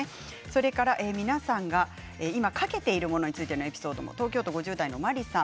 それから皆さんが今かけているものについてのエピソード東京都５０代の方